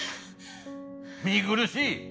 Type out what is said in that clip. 見苦しい！